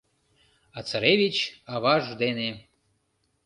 А царевич аваж дене